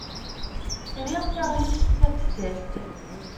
Riɣ taɣlust tafessast.